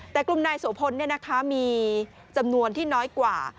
แต่กลุ่มนายโสพลเนี่ยนะคะมีจำนวนที่น้อยกว่า